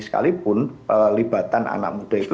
sekalipun pelibatan anak muda itu